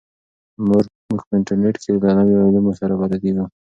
موږ په انټرنیټ کې له نویو علومو سره بلدېږو.